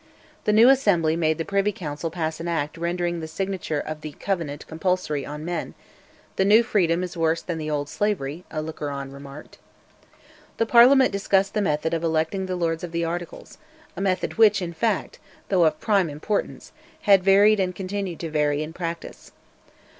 The new Assembly made the Privy Council pass an Act rendering signature of the Covenant compulsory on all men: "the new freedom is worse than the old slavery," a looker on remarked. The Parliament discussed the method of electing the Lords of the Articles a method which, in fact, though of prime importance, had varied and continued to vary in practice.